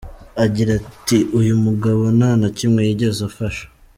Agira ati “Uyu mugabo nta na kimwe yigeze amfasha.